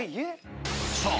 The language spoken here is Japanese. さあ